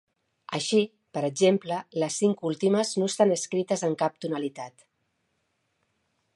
Així, per exemple, les cinc últimes no estan escrites en cap tonalitat.